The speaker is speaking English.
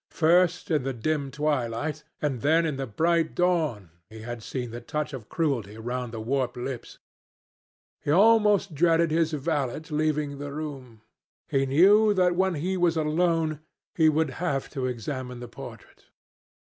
First in the dim twilight, and then in the bright dawn, he had seen the touch of cruelty round the warped lips. He almost dreaded his valet leaving the room. He knew that when he was alone he would have to examine the portrait.